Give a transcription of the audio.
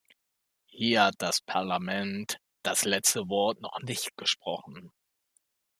Hier hat das Parlament das letzte Wort noch nicht gesprochen.